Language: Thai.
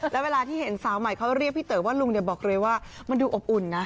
แล้วเวลาที่เห็นสาวใหม่เขาเรียกพี่เต๋อว่าลุงเนี่ยบอกเลยว่ามันดูอบอุ่นนะ